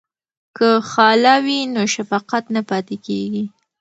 که خاله وي نو شفقت نه پاتیږي.